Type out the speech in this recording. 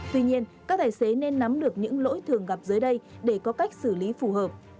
tuy nhiên các tài xế nên nắm được những lỗi thường gặp dưới đây để có cách xử lý phù hợp